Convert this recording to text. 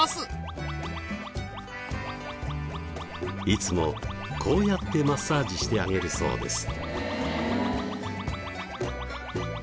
いつもこうやってマッサージしてあげるそうです。